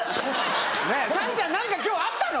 ねぇさんちゃん何か今日あったの？